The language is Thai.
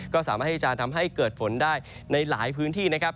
ก็สามารถที่จะทำให้เกิดฝนได้ในหลายพื้นที่นะครับ